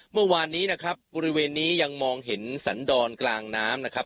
เมื่อวานนี้นะครับบริเวณนี้ยังมองเห็นสันดรกลางน้ำนะครับ